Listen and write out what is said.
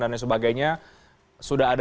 dan lain sebagainya sudah ada